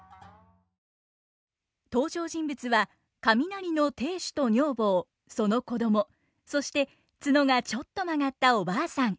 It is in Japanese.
登場人物は雷の亭主と女房その子供そして角がちょっと曲がったお婆さん。